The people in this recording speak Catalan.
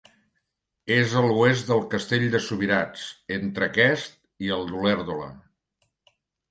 És a l'oest del castell de Subirats, entre aquest i el d'Olèrdola.